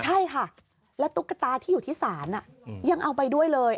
ใช่ค่ะแล้วตุ๊กตาที่อยู่ที่ศาลยังเอาไปด้วยเลย